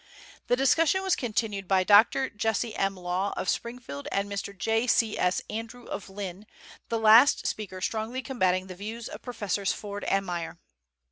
The discussion was continued by Dr. Jessie M. Law, of Springfield, and Mr. J. C. S. Andrew, of Lynn, the last speaker strongly combatting the views of Professors Ford and Meyer.